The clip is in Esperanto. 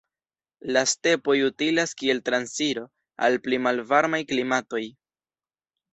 La stepoj utilas kiel transiro al pli malvarmaj klimatoj.